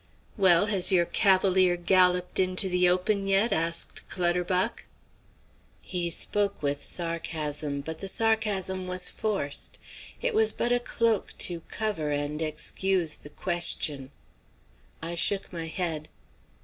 "Well, has your cavalier galloped into the open yet?" asked Clutterbuck. He spoke with sarcasm, but the sarcasm was forced. It was but a cloak to cover and excuse the question. I shook my head.